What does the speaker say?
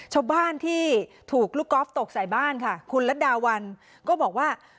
ชาวบ้านที่ถูกลูกกอล์ฟตกใส่บ้านค่ะคุณรัฐดาวันก็บอกว่า